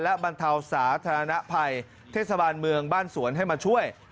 และบรรเทาสาธารณภัยเทศบาลเมืองบ้านสวนให้มาช่วย